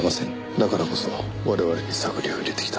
だからこそ我々に探りを入れてきた。